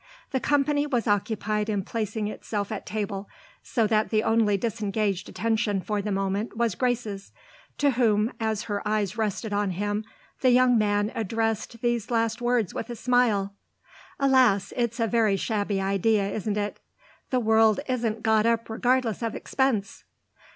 The company was occupied in placing itself at table, so that the only disengaged attention for the moment was Grace's, to whom, as her eyes rested on him, the young man addressed these last words with a smile. "Alas, it's a very shabby idea, isn't it? The world isn't got up regardless of expense!"